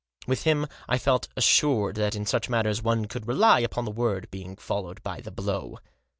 With him I felt assured that in such matters one could rely upon the word being followed by the blow.